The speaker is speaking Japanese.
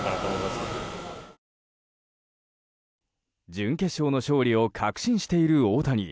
準決勝の勝利を確信している大谷。